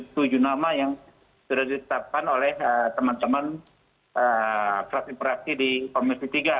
tujuh nama yang sudah ditetapkan oleh teman teman fraksi di komisi tiga